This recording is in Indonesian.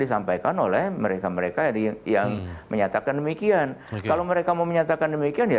disampaikan oleh mereka mereka yang menyatakan demikian kalau mereka mau menyatakan demikian ya